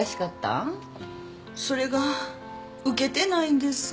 それが受けてないんです。